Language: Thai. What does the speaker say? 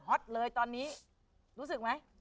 ตเลยตอนนี้รู้สึกไหม